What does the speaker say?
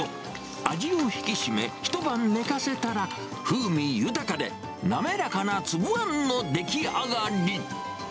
味を引き締め、一晩寝かせたら、風味豊かで滑らかな粒あんの出来上がり。